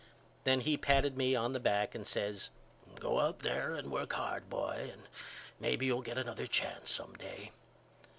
Then he patted me on the back and says Go out there and work hard boy and maybe you'll get another chance some day.